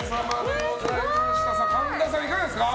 神田さん、いかがですか？